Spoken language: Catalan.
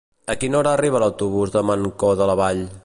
A quina hora arriba l'autobús de Mancor de la Vall?